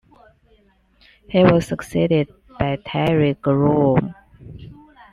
He was succeeded by Terry Groom.